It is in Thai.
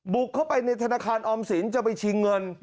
บุกเข้าไปในธนาคารออมสินจะไปชิงเงิน